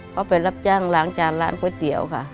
เขาไปรับจ้างล้างจานร้านก๋วยเตี๋ยวค่ะ